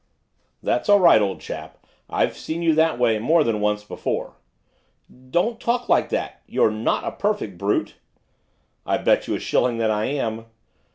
'That's all right, old chap, I've seen you that way more than once before.' 'Don't talk like that, you're not a perfect brute!' 'I bet you a shilling that I am.